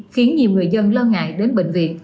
khiến nhiều người dân lo ngại đến bệnh viện